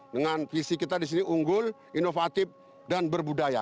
dengan visi kita disini unggul inovatif dan berbudaya